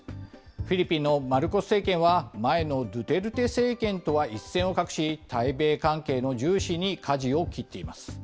フィリピンのマルコス政権は、前のドゥテルテ政権とは一線を画し、対米関係の重視にかじを切っています。